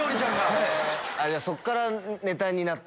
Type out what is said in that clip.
そっからネタになった？